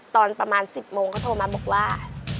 ตอนประมาณ๑๐โมงเขาโทรมาบอกว่า